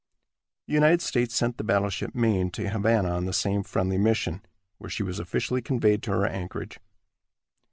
The United States sent the battleship Maine to Havana on the same friendly mission, where she was officially conveyed to her anchorage.